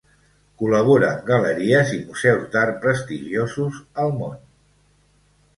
Col·labora amb galeries i museus d'art prestigiosos al món.